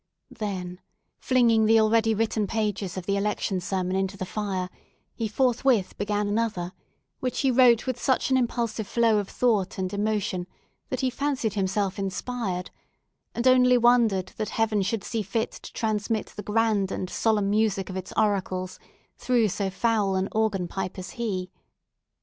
Then flinging the already written pages of the Election Sermon into the fire, he forthwith began another, which he wrote with such an impulsive flow of thought and emotion, that he fancied himself inspired; and only wondered that Heaven should see fit to transmit the grand and solemn music of its oracles through so foul an organ pipe as he.